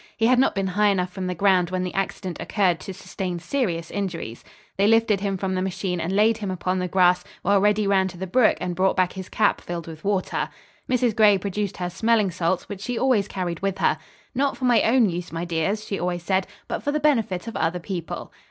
He had not been high enough from the ground when the accident occurred to sustain serious injuries. They lifted him from the machine and laid him upon the grass, while Reddy ran to the brook and brought back his cap filled with water. Mrs. Gray produced her smelling salts which she always carried with her. "Not for my own use, my dears," she always said, "but for the benefit of other people."